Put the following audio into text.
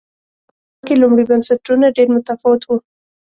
په افریقا کې لومړي بنسټونه ډېر متفاوت و